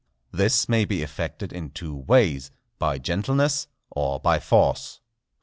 This may be effected in two ways, by gentleness or by force.